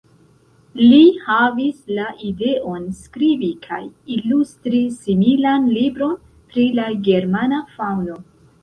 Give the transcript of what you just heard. Li havis la ideon skribi kaj ilustri similan libron pri la germana faŭno.